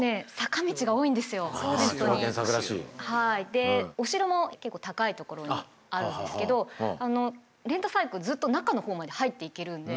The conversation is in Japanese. でお城も結構高いところにあるんですけどレンタサイクルずっと中の方まで入っていけるんで。